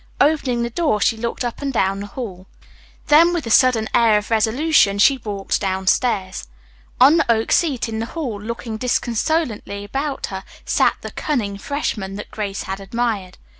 Opening the door, she looked up and down the hall. Then, with a sudden air of resolution, she walked downstairs. On the oak seat in the hall, looking disconsolately about her, sat the "cunning" freshman that Grace had admired.